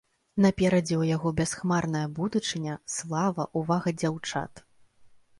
Наперадзе ў яго бясхмарная будучыня, слава, увага дзяўчат.